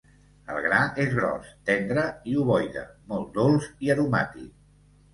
El gra és gros, tendre i ovoide, molt dolç i aromàtic.